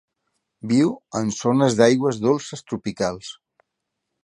Viu en zones d'aigües dolces tropicals.